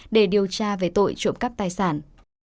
để điều tra về tội trộm cắp tài sản